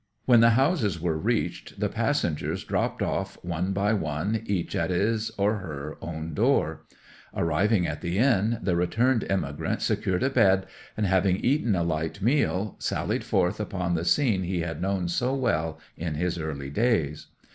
When the houses were reached the passengers dropped off one by one, each at his or her own door. Arrived at the inn, the returned emigrant secured a bed, and having eaten a light meal, sallied forth upon the scene he had known so well in his early days.